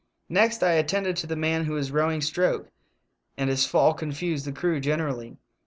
Next I attended to the man who was rowing stroke, and his fall confused the crew generally.